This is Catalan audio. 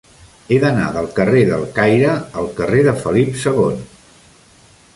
He d'anar del carrer del Caire al carrer de Felip II.